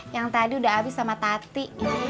yang tadi udah habis sama tati